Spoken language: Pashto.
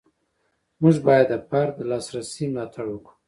موږ باید د فرد د لاسرسي ملاتړ وکړو.